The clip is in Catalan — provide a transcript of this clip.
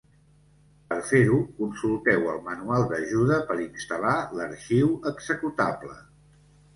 Per fer-ho, consulteu el Manual d'ajuda per instal·lar l'arxiu executable.